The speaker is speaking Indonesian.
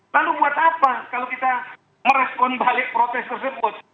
lalu buat apa kalau kita merespon balik protes tersebut